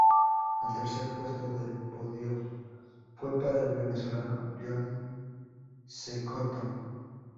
El tercer puesto del podio fue para el venezolano Johnny Cecotto.